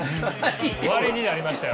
割になりましたよ。